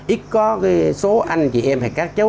ít có cái số anh chị em hay các cháu